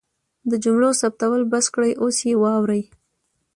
د جملو ثبتول بس کړئ اوس یې واورئ